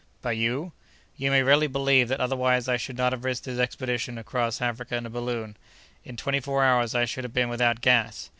"By you?" "You may readily believe that otherwise I should not have risked this expedition across Africa in a balloon. In twenty four hours I should have been without gas!"